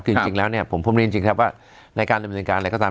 คือจริงแล้วเนี่ยผมเรียนจริงครับว่าในการดำเนินการอะไรก็ตาม